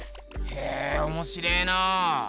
へえおもしれえな。